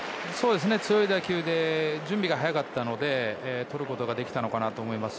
強い打球ですが準備が早かったのでとることができたと思います。